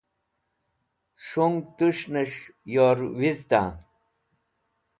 S̃hũng tũs̃hnẽs̃h yor wizita